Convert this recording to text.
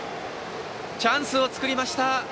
チャンスを作りました。